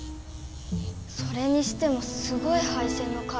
それにしてもすごいはい線の数。